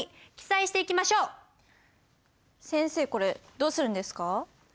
これどうするんですか？